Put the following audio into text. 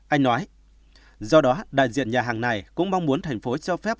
anh nói do đó đại diện nhà hàng này cũng mong muốn thành phố cho phép